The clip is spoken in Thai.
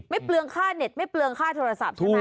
เปลืองค่าเน็ตไม่เปลืองค่าโทรศัพท์ใช่ไหม